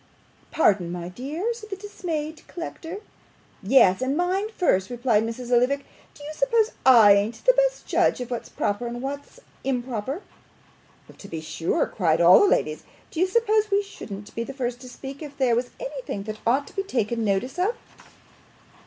'Pardon, my dear?' said the dismayed collector. 'Yes, and mine first,' replied Mrs. Lillyvick. 'Do you suppose I ain't the best judge of what's proper and what's improper?' 'To be sure,' cried all the ladies. 'Do you suppose WE shouldn't be the first to speak, if there was anything that ought to be taken notice of?